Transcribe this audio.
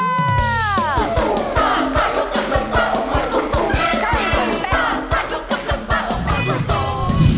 สู้สู้ซ่าซ่ายกกันกันซ่าออกมาสู้สู้